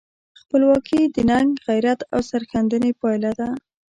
خپلواکي د ننګ، غیرت او سرښندنې پایله ده.